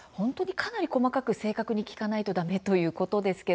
かなり細かく正確に聞かないとだめなんですね。